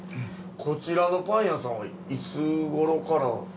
こちらのパン屋さんはいつごろから。